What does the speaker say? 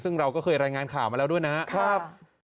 ซึ่งเราก็เคยรายงานข่าวมาแล้วด้วยนะครับ